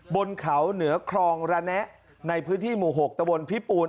บนเขาเหนือคลองระแนะในพื้นที่หมู่๖ตะบนพิปูน